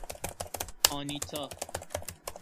آنیتا